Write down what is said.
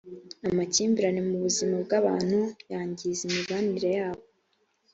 amakimbirane mu buzima bw ‘abantu yangiza imibanire yabo.